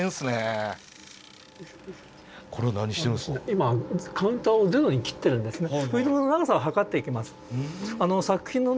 今カウンターをゼロにきってるんですね。